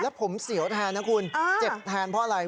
แล้วผมเสียวแทนนะคุณเจ็บแทนเพราะอะไร